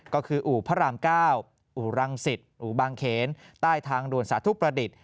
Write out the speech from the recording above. ก็คืออู่พระราม๙อู่รังสิตอู่บางเขนใต้ทางด่วนสาธุประดิษฐ์